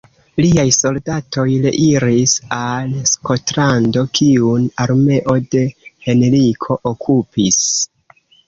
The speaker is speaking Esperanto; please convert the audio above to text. Liaj soldatoj reiris al Skotlando, kiun armeo de Henriko okupis.